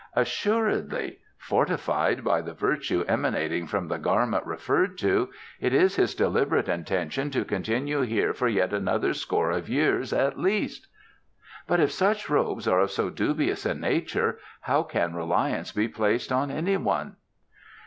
"Assuredly. Fortified by the virtue emanating from the garment referred to, it is his deliberate intention to continue here for yet another score of years at least." "But if such robes are of so dubious a nature how can reliance be placed on any one?"